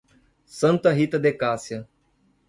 Santa Rita de Cássia